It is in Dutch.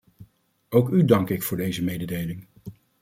Ook u dank ik voor deze mededeling.